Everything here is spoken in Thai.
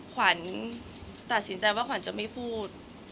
ขวัญตัดสินใจว่าขวัญจะไม่พูด